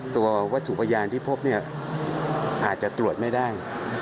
ตัววัตถุประยานที่พบอาจจะตรวจไม่ได้